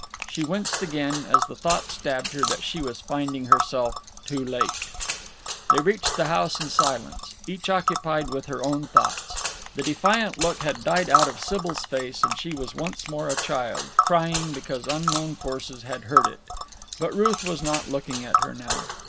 She winced again as the thought stabbed her that she was finding herself too late. They reached the house in silence, each occupied with her own thoughts. The defiant look had died out of Sybil's face and she was once more a child, crying because unknown forces had hurt it. But Ruth was not looking at her now.